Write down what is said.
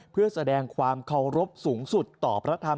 เพื่อแสดงความเคารพสูงสุดต่อพระธรรม